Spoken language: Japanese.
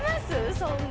そんな。